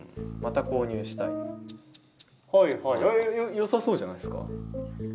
よさそうじゃないですか。